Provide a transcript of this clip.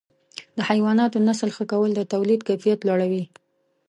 د حیواناتو نسل ښه کول د تولید کیفیت لوړوي.